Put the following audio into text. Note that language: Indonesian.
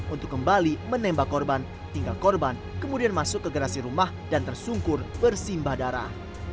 untuk kembali menembak korban tinggal korban kemudian masuk ke gerasi rumah dan tersungkur bersimbah darah